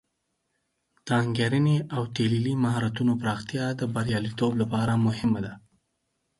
د انګیرنې او تحلیلي مهارتونو پراختیا د بریالیتوب لپاره مهمه ده.